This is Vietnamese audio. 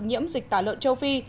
nhiễm dịch tả lợn châu phi